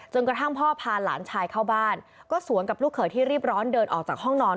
กระทั่งพ่อพาหลานชายเข้าบ้านก็สวนกับลูกเขยที่รีบร้อนเดินออกจากห้องนอน